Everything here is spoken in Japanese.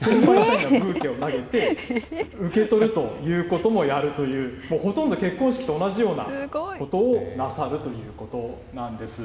ブーケを投げて、受け取るということもやるという、ほとんど結婚式と同じようなことをなさるということなんです。